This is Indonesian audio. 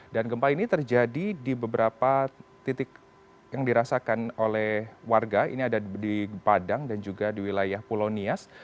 dan gempa ini terjadi di beberapa titik yang dirasakan oleh warga ini ada di padang dan juga di wilayah pulau nias